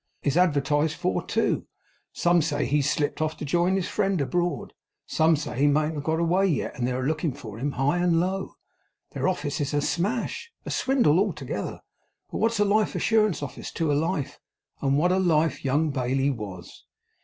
is advertised for, too. Some say he's slipped off, to join his friend abroad; some say he mayn't have got away yet; and they're looking for him high and low. Their office is a smash; a swindle altogether. But what's a Life Assurance office to a Life! And what a Life Young Bailey's was!